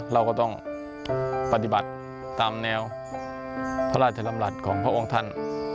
เราก็ต้องปฏิบัติตามแนวพระราชดำรัฐของพระองค์ท่าน